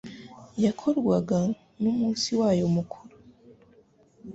yakorwaga n'umunsi wayo mukuru.